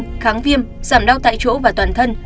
giảm viêm giảm đau tại chỗ và toàn thân